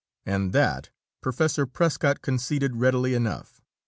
And that Professor Prescott conceded readily enough.